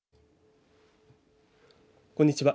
こんにちは。